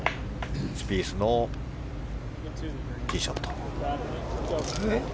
スピースのティーショット。